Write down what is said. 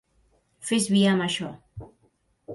Fes via amb això.